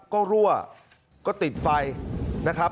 ก็รั่วก็ติดไฟนะครับ